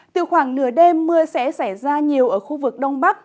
từ khoảng nửa đêm mưa sẽ xảy ra nhiều ở khu vực đông bắc